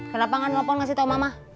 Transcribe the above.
kenapa gak nelfon kasih tau mama